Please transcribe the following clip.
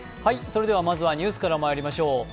それではまずはニュースからまいりましょう。